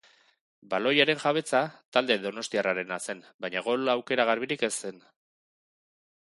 Baloiaren jabetza, talde donostiarrarena zen baina gol-aukera garbirik ez zen.